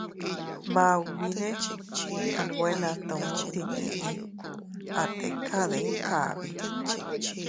Maubine a nwe natu tinnii, a tika dii kabi.